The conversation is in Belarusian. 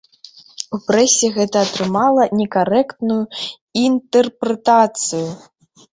У прэсе гэта атрымала некарэктную інтэрпрэтацыю.